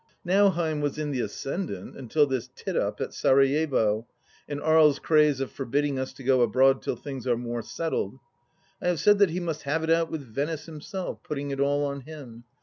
Nauheim was in the ascendant until this tit up at Sarajevo, and Aries' craze of forbidding us to go abroad till things are more settled. I have said that he must have it out with Venice himself, putting it all on him.